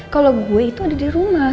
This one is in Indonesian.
kalau gue itu ada di rumah